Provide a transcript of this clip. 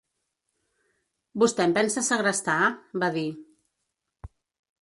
Vostè em pensa segrestar?, va dir.